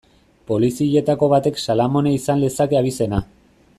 Polizietako batek Salamone izan lezake abizena.